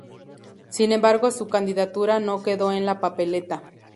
Sin embargo su candidatura no quedo en la papeleta.